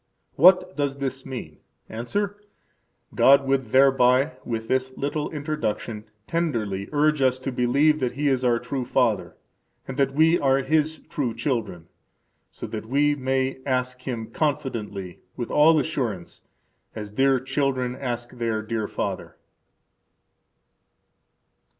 What does this mean? –Answer: God would thereby [with this little introduction] tenderly urge us to believe that He is our true Father, and that we are His true children, so that we may ask Him confidently with all assurance, as dear children ask their dear father.